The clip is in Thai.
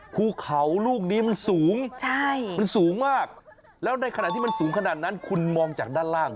ภูเขาลูกนี้มันสูงใช่มันสูงมากแล้วในขณะที่มันสูงขนาดนั้นคุณมองจากด้านล่าง